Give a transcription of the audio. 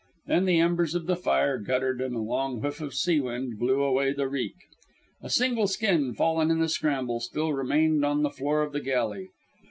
Then the embers of the fire guttered and a long whiff of sea wind blew away the reek. A single skin, fallen in the scramble, still remained on the floor of the galley.